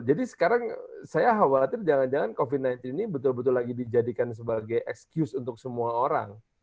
jadi sekarang saya khawatir jangan jangan covid sembilan belas ini betul betul lagi dijadikan sebagai excuse untuk semua orang